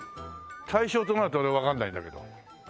大正となると俺わからないんだけど。